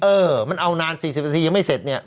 เออมันเอานาน๔๐นาทียังไม่เสร็จเนี่ย